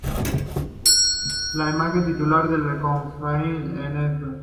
La imagen titular de la cofradía, Ntra.